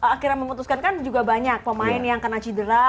akhirnya memutuskan kan juga banyak pemain yang kena cedera